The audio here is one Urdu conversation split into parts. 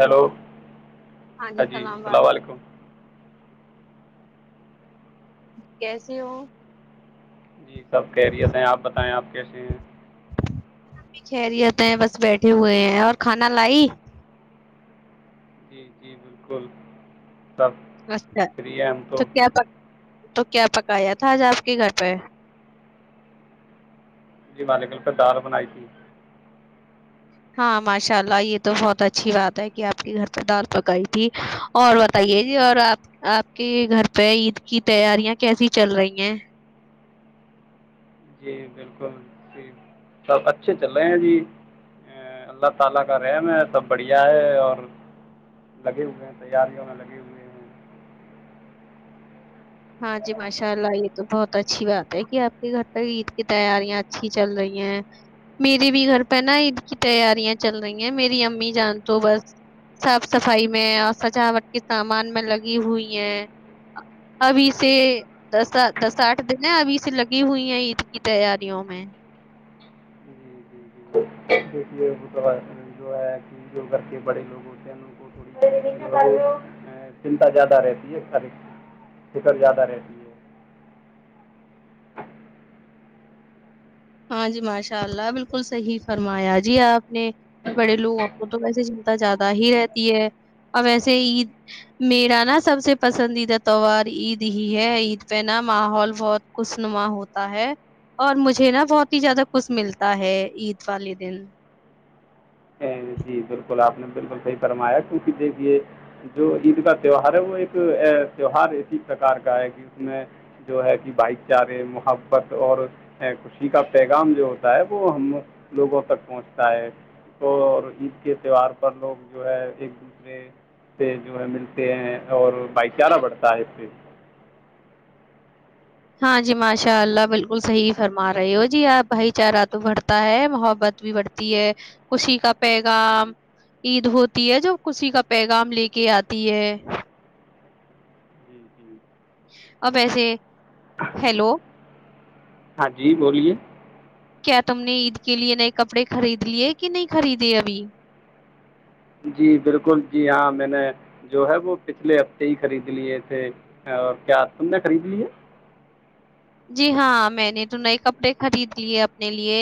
ہیلو ہ جی السلام علیکم کیسی ہو جی سب کیریت ہیں آپ بتائیں آپ کیسے ہیں بھی خیریت ہیں بس بیٹھے ہوئے ہیں اور کھانا لائی جی جی بالکل سب اچھا فری ہیں ہم تو کیا پ تو کیا پکایا تھا آج آپ کے گھر پہ جی مالےکلکہ دال بنائی تھی ہاں ماشاء اللہ یہ تو بہت اچھی بات ہے کہ آپ کے گھر پہ دال پکائی تھی اور بتائیے جی اور آپ آپ کے گھر پہ عید کی تیاریاں کیسی چل رہی ہیں جی بالکل اچھے چل رہے ہیں جی اللہ تعالی کا رحم ہے سب بڑھیا ہے اور لگے ہوئے ہیں تیاریوں نے لگے ہوئے ہیں ہاں جی ماشاء اللہ یہ تو بہت اچھی بات ہے کہ آپ کے گھر پہ عید کی تیاریاں اچھی چل رہی ہیں میرے بھی گھر پہ نا عید کی تیاریاں چل رہی ہیں میری امی جان تو بس صاف صفائی میں اور سجاوٹ کے سامان میں لگی ہوئی ہے ابھی سے دس دس آٹھ دن ہے ابھی سے لگی ہوئی ہے عید کی تیاریوں میں جی جی جی وہ جو ہے کہ کر کے بڑے لوگوں کوی چنتا زیادہ رہتی ہے فکر زیادہ رہتی ہے ہاں جی ماشاء اللہ بالکل صحیح فرمایا جی آپ نے بڑے لوگوں کو تو ویسے چنتا زیادہ ہی رہتی ہے اور ویسے عید میرا نا سب سے پسندیدہ تہوار عید ہی ہے عید پہ نا ماحول بہت خش نما ہوتا ہے اور مجھے نا بہت ہی زیادہ کچھ ملتا ہے عید والے دن جی بالکل آپ نے بالکل صحیح فرمایا کیونکہ دیکھیے جو عید کا تہوار ہے وہ ایک تیوار اسی پرکار کا ہے کہ اس میں جو ہے کہ بھائی چارے محبت اور خوشی کا پیغام جو ہوتا ہے وہ ہم لوگوں تک پہنچتا ہے تو عید کے تہوار پر لوگ جو ہے ایک دوسرے سے جو ہے ملتے ہیں اور بھائی چارہ بڑتا ہے پھر ہاں جی ماشاء اللہ بالکل صحیح فرما رہے ہو جی آپ بھائی چارہ تو بڑھتا ہے محبت بھی بڑھتی ہے خوشی کا جی پیغام عید ہوتی ہے جو خوشی کا پیغام لے کے آتی ہے جی جی اب ایسے ہیلو ہاں جی بولیے کیا تم نے عید کے لیے نئے کپڑے خرید لیے کہ نہیں خریدے ابھی جی بالکل جی ہاں میں نے جو ہے وہ پچھلے ہفتے ہی خرید لیے تھے اور کیا تم نے خرید لی ہے جی ہاں میں نے تو نئے کپڑے خرید لیے اپنے لیے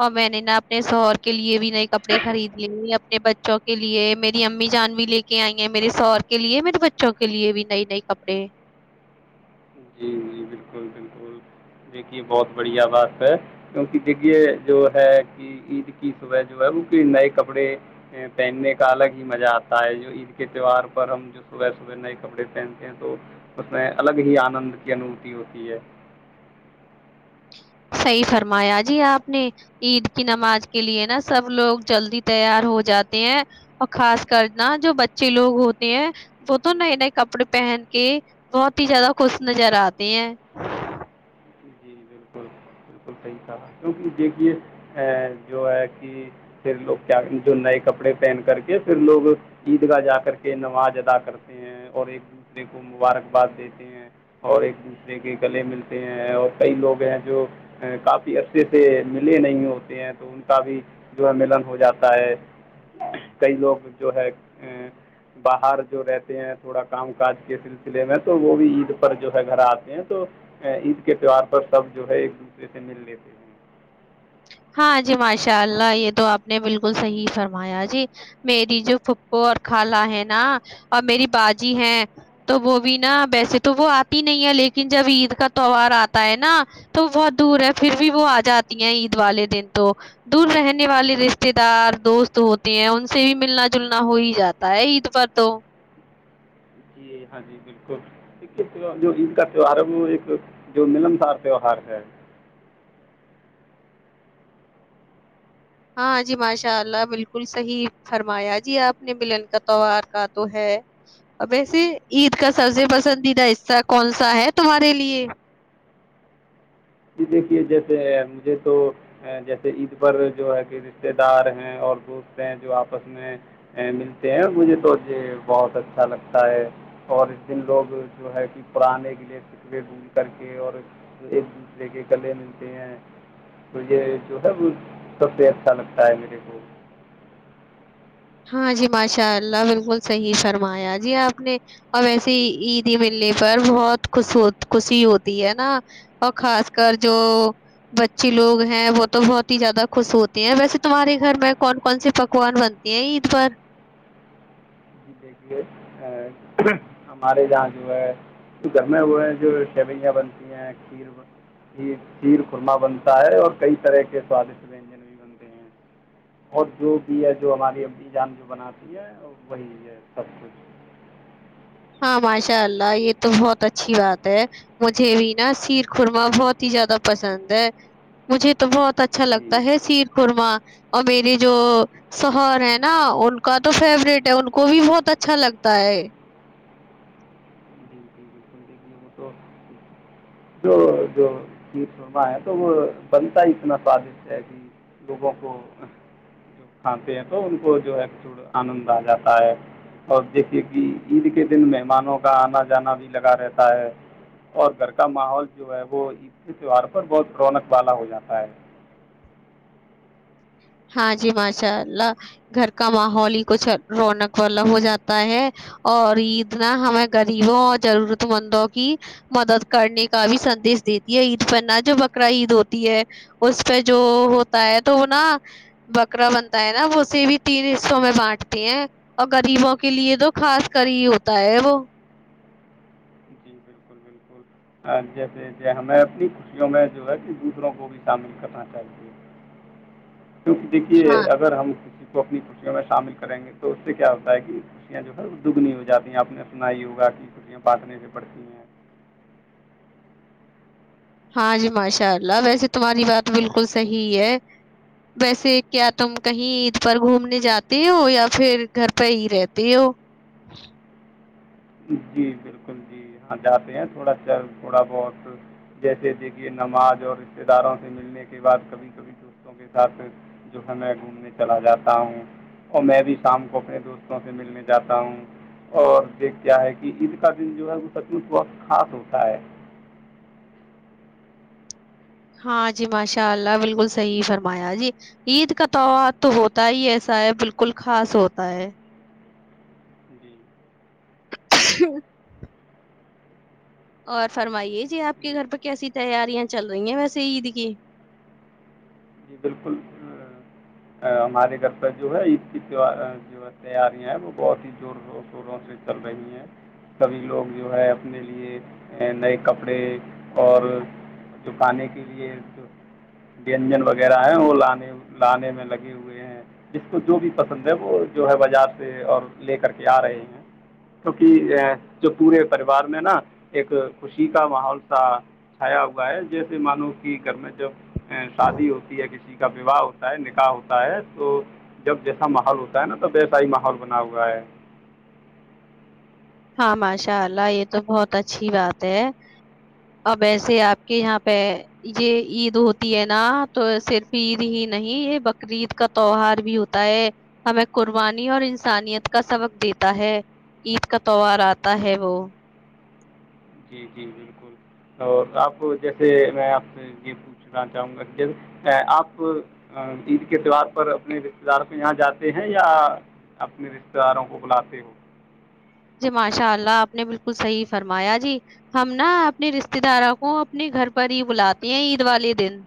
اور میں نے نا اپنے سوہر کے لیے بھی نئے کپڑے خرید لیے اپنے بچوں کے لیے میری امی جان بھی لے کے آئی ہیں میرے سہر کے لیے میرے بچوں کے لیے بھی نئی نئے کپڑے جی جی بالکل بالکل دیکھیے بہت بڑھیا بات ہے کیونکہ دیکے جو ہے کہ عید کی صبح جو ہے وہ کو نئے کپڑے پہننے کا الگ ہی مزہ آتا ہے جو عید کے تہوار پر ہم جو صبح صبح نئے کپڑے پہنتے ہیں تو اس میں الگ ہی آنند کی انوھتی ہوتی ہے صحیح فرمایا جی آپ نے عید کی نماز کے لیے نا سب لوگ جلدی تیار ہو جاتے ہیں اور خاص کر نا جو بچے لوگ ہوتے ہیں وہ تو نئے نئے کپڑے پہن کے بہت ہی زیادہ خوش نظر آتے ہیں جی بالکل بالکل صحیح سا کیوںکہ دیکھیے جو ہے کہ پھر لوگ کیا جو نئے کپڑے پہن کر کے پھر لوگ عید گاہ جا کر کے نماز ادا کرتے ہیں اور ایک دوسرے کو مبارکباد دیتے ہیں اور ایک دوسرے کے گلے ملتے ہیں اور کئی لوگ جو کافی اچھے سے ملے نہیں ہوتے ہیں تو ان کا بھی جو ہے ملن ہو جاتا ہے کئی لوگ جو ہے ا باہر جو رہتے ہیں تھوڑا کام کاج کے سلسلے میں تو وہ بھی عید پر جو ہے گھر آتے ہیں تو عید کے تہوہار پر سب جو ہے ایک دوسرے سے مل لیتے ہیں ہاں جی ماشاء اللہ یہ تو آپ نے بالکل صحیح فرمایا جی میری جو پھکو اور خالہ ہے نا اور میری باجی ہے تو وہ بھی نا ویسے تو وہ آتی نہیں ہے لیکن جب عید کا تہوار آتا ہے نا تو بہت دور ہے پھر بھی وہ آ جاتی ہے عید عید والے دن تو دور رہنے والے رشتے دار دوست ہوتے ہیں ان سے بھی ملنا جلنا ہو ہی جاتا ہے عید پر تو جی ہاں جی بالکل جو عید کا تہوہار ہے وہ ایک جو ملنسار تہوہار ہے ہاں جی ماشاء اللہ بالکل صحیح فرمایا جی آپ نے ملن کا تیوار کا تو ہے اور ویسے عید کا سب جی سے پسندیدہ حصہ کون سا ہے تمہارے لیے ج دیکھیے جیسے مجھے تو جیسے عید پر جو ہے کہ رشتے دار ہیں اور دوست ہیں جو آپس میں ملتے ہیں مجھے تو بہت اچھا لگتا ہے اور اس دن لوگ جو ہے کہ پرانے کے لیے فکرے گھوم کر کے اور ایک لے کے کلے ملتے ہیں تو یہ جو ہے وہ سب سے اچھا لگتا ہے میرے کو ہاں جی ماشاء اللہ بالکل صحیح فرمایا جی آپ نے اور ویسے عیدی ملنے پر بہت خوش ہو خوشی ہوتی ہے نا اور خاص کر جو بچی لوگ ہیں وہ تو بہت ہی زیادہ خوش ہوتے ہیں ویسے تمہارے گھر میں کون کون سےی پکوان بن د پرار جی دیکھیے ہمارے یہاں جو ہے گھر میں ہو ہیں جو شوئیاں بنتی ہیں کھیر کھی کھییر خورمہ بنتا ہے اور کئی طرح کے سوادشٹ ونجن بھی بنتے ہیں اور جو بھی ہے جو ہماری امی جان جو بناتی ہے وہی ہے اچھاچ ہاں ماشاء اللہ یہ تو بہت اچھی بات ہے مجھے بھی نا سیر خورما بہت ہی زیادہ پسند ہے مجھے تو بہت اچھا جی لگتا ہے سیر قورما اور میری جو سہر ہے نا ان کا تو فیوروریٹ ہے ان کو بھی بہت اچھا لگتا ہے سونا ہے تو وہ بنتا ہی اتنا سوادشٹ ہے کہ لوگوں کو جو کھاتے ہیں تو ان کو جو ہے چ آنند آ جاتا ہے اور دیکھیے کہ عید کے دن مہمانوں کا آنا جانا بھی لگا رہتا اور گھر کا ماحول جو ہے وہ عید کے تہوار پر بہت رونق والا ہو جاتا ہے ہاں جی ماشاء اللہ گھر کا ماحول ہی کچھ رونق والا ہو جاتا ہے اور عید نا ہمیں غریبوں اور ضرورت مندوں کی مدد کرنے کا بھی سندیش دیتی ہے عید پہ نہ جو بکرا عید ہوتی ہے اس پہ جو ہوتا ہے تو وہ نا بکرا بنتا ہے نا اسے بھی تین حصوں میں بانٹتے ہیں اور غریبوں کے لیے تو خاص کر ہی ہوتا ہے وہ جی بالکل بالکل جیسے جیے ہمیں اپنی خوشیوں میں جو ہے کہ دوسروں کو بھی شامل کرنا چاہیے کیونکہ ہاں دیکھیے اگر ہم کسی کو اپنی کسیوں میں شامل کریں گے تو اس سے کیا ہوتا ہے کہ کسیاں جو ہے دگنی ہو جاتی ہیں آپ نے سنا ہی ہوگا کہ کٹیاں بانٹنے سے پڑتی ہیں ہاں جی ماشاء اللہ ویسے تمہاری بات بالکل صحیح ہے ویسے کیا تم کہیں عید پر گھومنے جاتے ہو یا پھر گھر پہ ہی رہتے ہو جی بالکل جی ہاں جاتے ہیں تھوڑا چ تھوڑا بہت جیسے دیکھیے نماز اور رشتے داروں سے ملنے کے بعد کبھی کبھی دوستوں کے ساتھ جو ہے میں گھومنے چلا جاتا ہوں اور میں بھی شام کو اپنے دوستوں سے ملنے جاتا ہوں اور دیکھ کیا ہے کہ عید کا دن جو ہے وہ سچمچ وقت خاص ہوتا ہے ہاں جی ماشاء اللہ بالکل صحیح فرمایا جی عید کا تہوار تو ہوتا ہی ایسا ہے بالکل خاص ہوتا ہے جی ہ اور فرمائیے جی آپ کے گھر پہ کیسی تیاریاں چل رہی ہیں ویسے عید کی جی بالکل ہمارے گھر پہ جو ہے عید کیو جو ہے تیاریاں ہیں وہ بہت ہی زور شوروں سے چل رہی ہیں سبھی لوگ جو ہے اپنے لیے نئے کپڑے اور چکانے کے لیے وجن وغیرہ وغیرہ ہے وہے لانے میں لگے ہوئے ہیں جس کو جو بھی پسند ہے وہ جو ہے بازار سے اور لے کر کے آ رہے ہیں کیوںک جو پورے پریوار میں نا ایک خوشی کا ماحول س چھایا ہوا ہے جیسے مانو کہ گھر میں جو شادی ہوتی کسی کا وواہ ہوتا ہے نکاح ہوتا ہے تو جب جیسا ماحول ہوتا ہے نا تو ویسا ہی ماحول بنا ہوا ہے ہاں ماشاء اللہ یہ تو بہت اچھی بات ہے اب ایسے آپ کے یہاں پہ یہ عید ہوتی ہے نا تو صرف عید ہی نہیں یہ بقرعید کا تہوار بھی ہوتا ہے ہمیں قربانی اور انسانیت کا سبق دیتا ہے عید کا تووار آتا ہے وہ جی جی بالکل اور آپ جیسے میں آپ سے یہ پوچھنا چاہوں گا کہ آپ عید کے تہوار پر اپنے رشتے دار کے یہاں جاتے ہیں یا اپنے رشتے داروں کو بلاتے ہو جی ماشاء اللہ آپ نے بالکل صحیح فرمایا جی ہم نا اپنے رشتے داروں کو اپنے گھر پر ہی بلاتے ہیں عید والے دن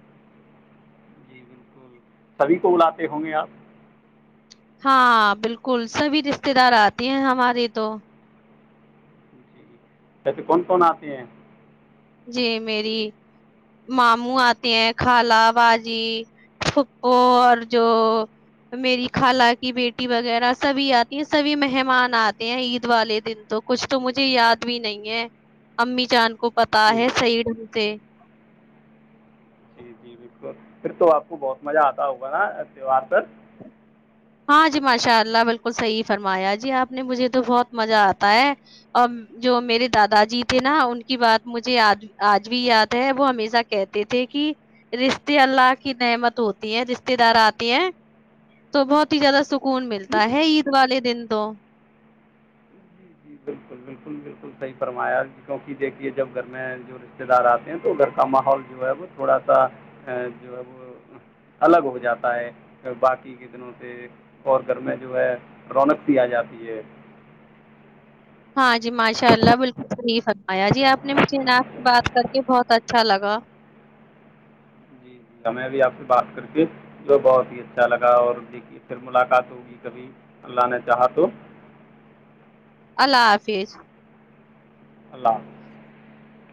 جی بالکل سبھی کو بلاتے ہوں گے آپ ہاں بالکل سبھی رشتے دار آتے ہیں ہماریے تو ایسے کون کون آتے ہیں جی میری ماموں آتے ہیں خالہ باجی پھکو اور جو میری خالہ کی بیٹی وغیرہ سبھی آتی ہیں سبھی مہمان آتے ہیں عید والے دن تو کچھ تو مجھے یاد بھی نہیں ہے امی چاند کو پ جی ہے سڈ ت ب پھر تو آپ کو بہت مزہ آتا ہوگا نا تہوار پر ہاں جی ماشاء اللہ بالکل صحیح فرمایا جی آپ نے مجھے تو بہت مزہ آتا ہے اور جو میرے دادا جی تھے نا ان کی بات مجھے آج آج بھی یاد ہے وہ ہمیشہ کہتے تھے کہ رشتے اللہ کی نعمت ہوتی ہیں رشتے دار آتے ہیں تو بہت زیادہ سکون ملتا ہے عید والے دن تو جی جی بالکل بالکل بالکل صحیح فرمایا کیونکہ دیکھیے جب گھر میں جو رشتے دار آتے ہیں تو گھر کا ماحول جو ہے وہ تھوڑا سا جو ہے وہ الگ ہو جاتا ہے باقی کے دنوں سے اور گھر میں جو ہے رونق بھی آ جاتی ہے ہاں جی ماشاء اللہ بالکل صحح فرمایا جی آپ نے مجھے ان سے بات کر کے بہت اچھا لگا جی جی ہمیں بھی آپ سے بات کر کے جو بہت ہی اچھا لگا اور دیکھیے پھر ملاقات ہوگی کبھی اللہ نے چاہا تو اللہ حافظ اللہ حافظ